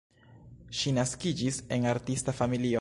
Ŝi naskiĝis en artista familio.